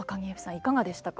いかがでしたか？